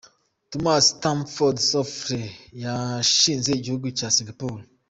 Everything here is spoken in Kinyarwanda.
Thomas Stamford Raffles yashinze igihugu cya Singapore.